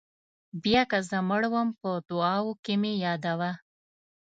بیا که زه مړ وم په دعاوو کې مې یادوه.